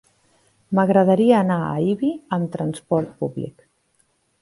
M'agradaria anar a Ibi amb transport públic.